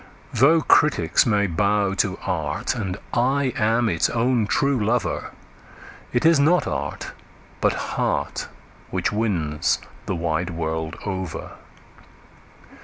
Though critics may bow to art, and I am its own true lover, It is not art, but heart, which wins the wide world over.